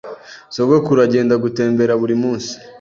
Sogokuru agenda gutembera buri munsi.